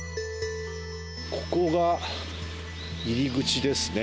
ここが入り口ですね。